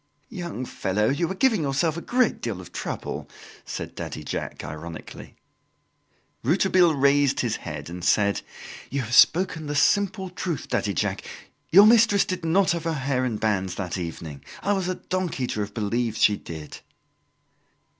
"Young fellow, you are giving yourself a great deal of trouble," said Daddy Jacques ironically. Rouletabille raised his head and said: "You have spoken the simple truth, Daddy Jacques; your mistress did not have her hair in bands that evening. I was a donkey to have believed she did."